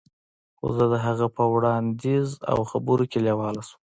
خو زه د هغه په وړاندیز او خبرو کې لیواله شوم